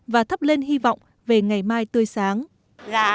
và thắp lên hy vọng về ngày mai tươi sáng